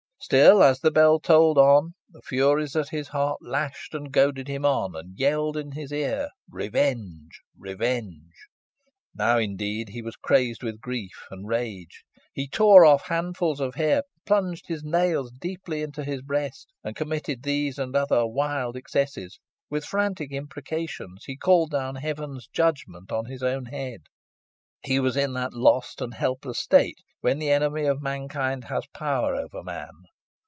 Still, as the bell tolled on, the furies at his heart lashed and goaded him on, and yelled in his ear revenge revenge! Now, indeed, he was crazed with grief and rage; he tore off handfuls of hair, plunged his nails deeply into his breast, and while committing these and other wild excesses, with frantic imprecations he called down Heaven's judgments on his own head. He was in that lost and helpless state when the enemy of mankind has power over man.